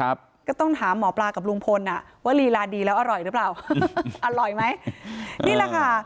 ครับก็ต้องถามหมอปลากับลุงพลอ่ะว่าลีลาดีแล้วอร่อยหรือเปล่าอร่อยไหมนี่แหละค่ะ